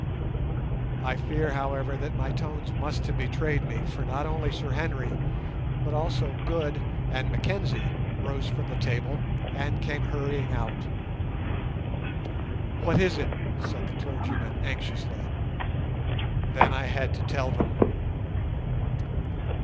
I fear, however, that my tones must have betrayed me, for not only Sir Henry but also Good and Mackenzie rose from the table and came hurrying out. "What is it?" said the clergyman, anxiously. Then I had to tell them.